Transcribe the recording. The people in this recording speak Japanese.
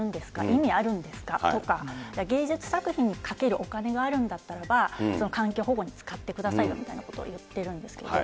意味あるんですかとか、芸術作品にかけるお金があるんだったらば、環境保護に使ってくださいみたいなことを言ってるんですけど。